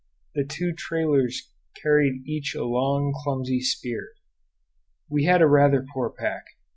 The two trailers carried each a long, clumsy spear. We had a rather poor pack.